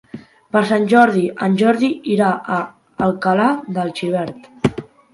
Per Sant Jordi en Jordi irà a Alcalà de Xivert.